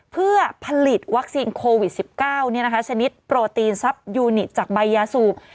เพื่อผลิตวัคซีนโควิด๑๙ชนิดโปรตีนทรัพย์ยูนิตจากใบยาสูบ